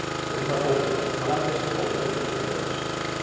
Pero unha cousa son os falantes e outra os coñecedores.